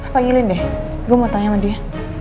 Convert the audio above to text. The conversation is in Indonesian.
panggilin deh gue mau tanya sama dia